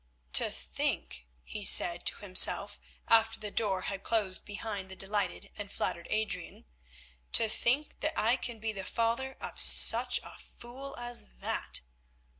"To think," he said to himself after the door had closed behind the delighted and flattered Adrian, "to think that I can be the father of such a fool as that.